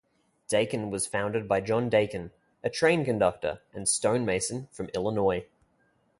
Daykin was founded by John Daykin, a train conductor and stonemason from Illinois.